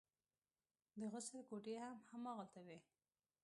د غسل کوټې هم هماغلته وې.